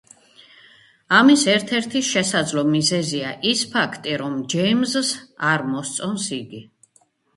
ამის ერთ-ერთი შესაძლო მიზეზია ის ფაქტი, რომ ჯეიმზს არ მოსწონს იგი.